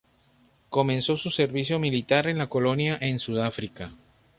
Comenzó su servicio militar en la colonia en Sudáfrica.